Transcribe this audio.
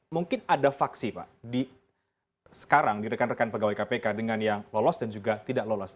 mungkin ada faksi pak sekarang di rekan rekan pegawai kpk dengan yang lolos dan juga tidak lolos